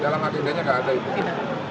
dalam artinya enggak ada itu